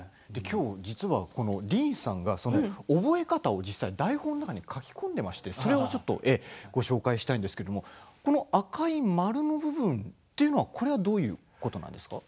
実はディーンさんが覚え方を実際に台本に書き込んでいまして、それをご紹介したいんですけどもこの赤い丸の部分というのはどういうことなんですか？